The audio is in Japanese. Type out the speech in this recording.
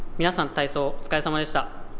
皆さん、体操お疲れさまでした。